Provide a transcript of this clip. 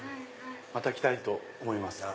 また来たいと思います。